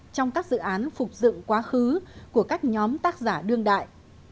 trong các dự án phục dựng quá khứ của các nhóm tác giả đương đại